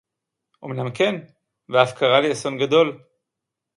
אמנם כן! ואף קרה לי אסון גדול!